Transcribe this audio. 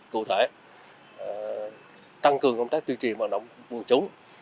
cụ thể tăng cường công tác tuyên trì hoạt động quân chúng